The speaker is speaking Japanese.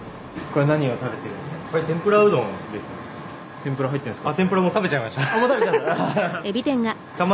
天ぷら入ってるんですか？